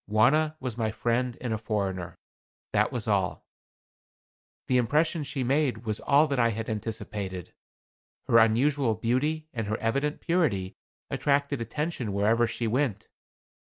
Wauna was my friend and a foreigner that was all. The impression she made was all that I had anticipated. Her unusual beauty and her evident purity attracted attention wherever she went.